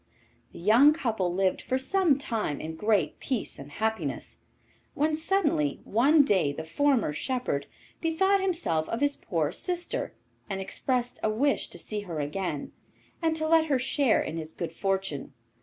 The young couple lived for some time in great peace and happiness, when suddenly one day the former shepherd bethought himself of his poor sister and expressed a wish to see her again, and to let her share in his good fortune.